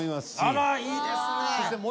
あらいいですね。